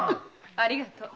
ありがと。